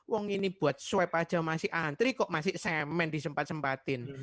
wong ini buat swab aja masih antri kok masih semen disempat sempatin